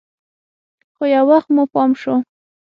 خو يو وخت مو پام سو.